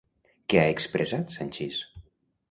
Què ha expressat Sanchis?